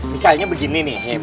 misalnya begini nih